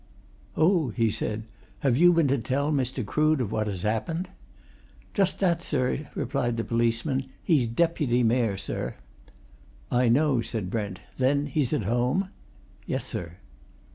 "Oh," he said, "have you been to tell Mr. Crood of what has happened?" "Just that, sir," replied the policeman. "He's Deputy Mayor, sir." "I know," said Brent. "Then, he's at home?" "Yes, sir."